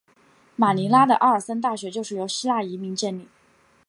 马尼拉的阿当森大学就是由希腊移民建立。